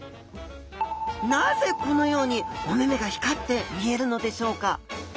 なぜこのようにお目々が光って見えるのでしょうか？